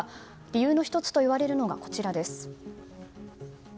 理由の１つといわれるのがこちらです。